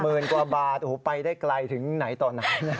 หมื่นกว่าบาทไปได้ไกลถึงไหนตอนนั้น